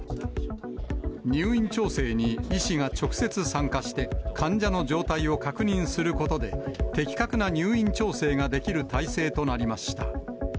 入院調整に医師が直接参加して、患者の状態を確認することで、的確な入院調整ができる体制となりました。